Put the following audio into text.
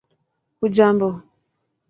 hujambo